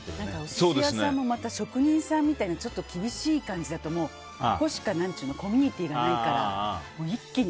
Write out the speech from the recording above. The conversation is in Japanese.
お寿司屋さんも職人さんみたいなちょっと厳しい感じだとそこしかコミュニティーがないから一気に。